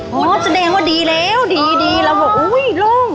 พ่อแจ้งว่าดีแล้วดีแล้วบอกอุ้ยลง